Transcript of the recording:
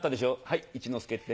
はい「一之輔」って。